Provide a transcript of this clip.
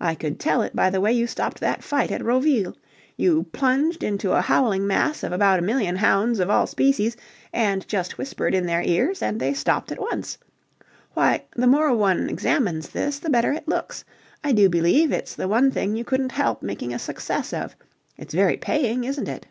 I could tell it by the way you stopped that fight at Roville. You plunged into a howling mass of about a million hounds of all species and just whispered in their ears and they stopped at once. Why, the more one examines this, the better it looks. I do believe it's the one thing you couldn't help making a success of. It's very paying, isn't it?"